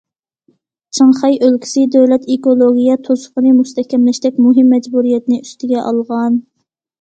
چىڭخەي ئۆلكىسى دۆلەت ئېكولوگىيە توسۇقىنى مۇستەھكەملەشتەك مۇھىم مەجبۇرىيەتنى ئۈستىگە ئالغان.